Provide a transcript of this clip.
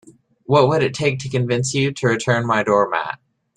What would it take to convince you to return my doormat?